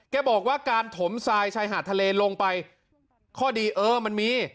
บอกว่าการถมทรายชายหาดทะเลลงไปข้อดีเออมันมี